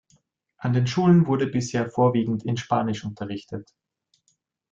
An den Schulen wurde bisher vorwiegend in Spanisch unterrichtet.